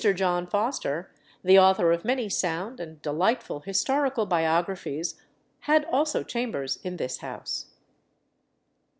John Foster, the author of many sound and delightful historical biographies, had also chambers in this house.